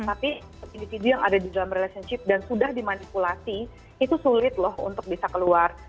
tapi individu yang ada di dalam relationship dan sudah dimanipulasi itu sulit loh untuk bisa keluar